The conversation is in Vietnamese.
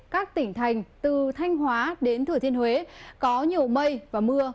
các tỉnh thành từ thanh hóa đến thừa thiên huế có nhiều mây và mưa